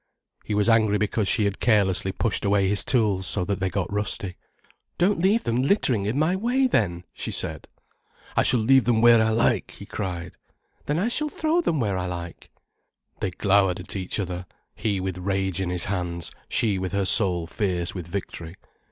He was angry because she had carelessly pushed away his tools so that they got rusty. "Don't leave them littering in my way, then," she said. "I shall leave them where I like," he cried. "Then I shall throw them where I like." They glowered at each other, he with rage in his hands, she with her soul fierce with victory.